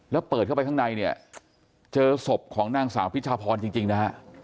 แล้วเปิดเข้าไปข้างในเนี่ยเจอศพของนางสาวพิชาพรจริงนะฮะ